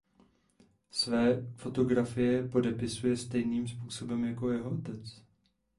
Své fotografie podepisuje stejným způsobem jako jeho otec.